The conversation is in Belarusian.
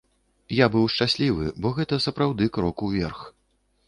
Я быў шчаслівы, бо гэта сапраўды крок уверх.